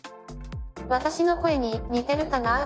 「私の声に似てるかな？」。